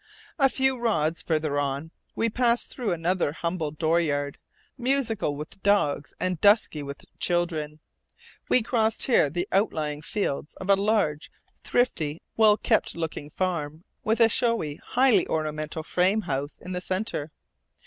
A few rods farther on, we passed through another humble dooryard, musical with dogs and dusky with children. We crossed here the outlying fields of a large, thrifty, well kept looking farm with a showy, highly ornamental frame house in the centre.